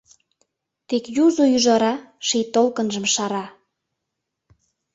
Тек юзо ӱжара ший толкынжым шара.